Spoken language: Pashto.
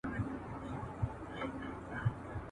هنر د ټولني د اصلاح وسیله ده.